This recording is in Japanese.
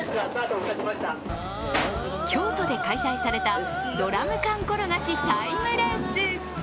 京都で開催されたドラム缶転がしタイムレース。